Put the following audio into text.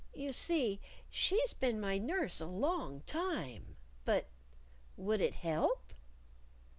"You see she's been my nurse a long time. But would it help?"